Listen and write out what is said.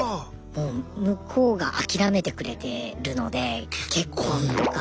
もう向こうが諦めてくれてるので結婚とか。